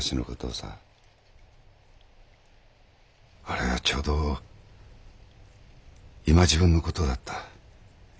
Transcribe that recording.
あれはちょうど今時分の事だった。